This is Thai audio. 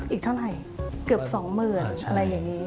อีกเท่าไรเกือบสองหมื่นอะไรอย่างนี้